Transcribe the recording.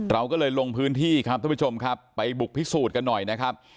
เราก็เลยลงพื้นที่ครับท่านผู้ชมครับไปบุกพิสูจน์กันหน่อยนะครับ